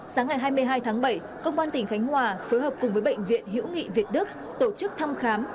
sáng ngày hai mươi hai tháng bảy công an tỉnh khánh hòa phối hợp cùng với bệnh viện hiễu nghị việt đức tổ chức thăm khám